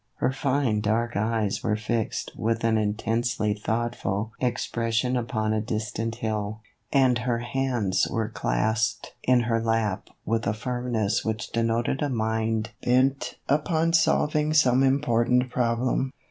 Her fine dark eyes were fixed with an intensely thoughtful expression upon a distant hill, and her hands were clasped in her lap with a firmness which denoted a mind bent upon solving some important problem.